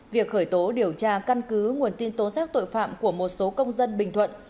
việc khởi tố điều tra căn cứ nguồn tin tố giác tội phạm của một số công dân bình thuận